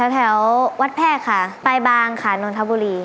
แถววัดแพรกค่ะปลายบางค่ะนนทบุรี